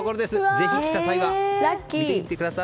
ぜひ来た際は見てみてください。